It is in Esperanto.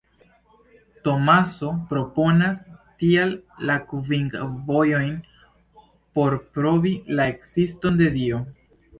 Tomaso proponas, tial, la kvin “vojojn” por pruvi la ekziston de Dio.